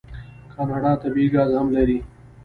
کاناډا طبیعي ګاز هم لري.